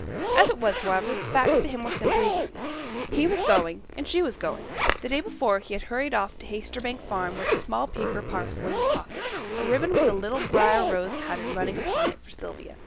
As it was, however, the facts to him were simply these. He was going and she was going. The day before, he had hurried off to Haytersbank Farm with a small paper parcel in his pocket a ribbon with a little briar rose pattern running upon it for Sylvia.